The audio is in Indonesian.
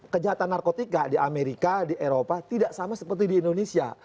kejahatan narkotika di amerika di eropa tidak sama seperti di indonesia